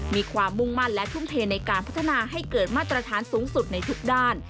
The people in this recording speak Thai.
มีความมุ่งมั่นและทุ่มเทในการพัฒนาให้เกิดมาตรฐานสูงสุดในทุกด้าน